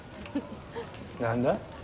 何だ？